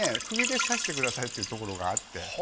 釘でさしてくださいっていうところがあって。